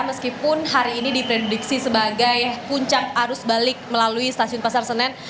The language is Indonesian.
meskipun hari ini diprediksi sebagai puncak arus balik melalui stasiun pasar senen